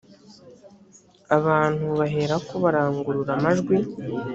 abantu baherako barangurura amajwi